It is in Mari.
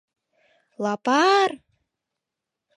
— Лапарр!..